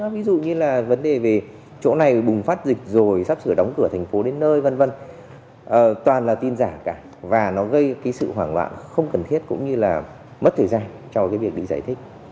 với sự hoảng loạn không cần thiết cũng như là mất thời gian cho việc giải thích